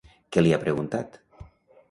Què li ha preguntat?